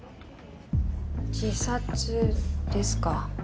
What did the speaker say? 自殺ですか。